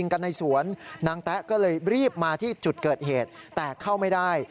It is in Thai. ก็เลยรีบมาที่จุดเกิดเหตุแต่เข้าไม่ได้